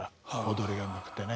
踊りがうまくてね。